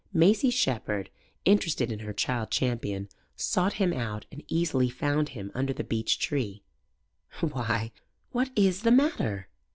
Maisie Shepherd, interested in her child champion, sought him out and easily found him under the beech tree. "Why, what is the matter?"